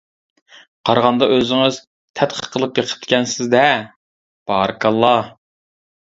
قارىغاندا ئۆزىڭىز تەتقىق قىلىپ بېقىپتىكەنسىز ھە؟ بارىكاللا!